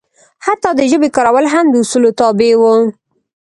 حتی د ژبې کارول هم د اصولو تابع وو.